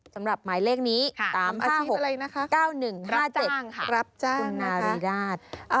สำหรับหมายเลขนี้๓๕๖๙๑๕๗นะครับรับจ้างครับคุณนาฬีนาฎ